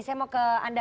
saya mau ke anda